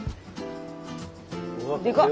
でかっ！